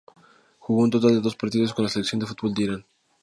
Jugó un total de dos partidos con la selección de fútbol de Irán.